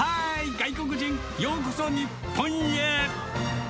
外国人、ようこそ日本へ。